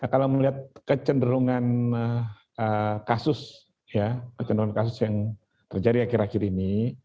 kalau melihat kecenderungan kasus yang terjadi akhir akhir ini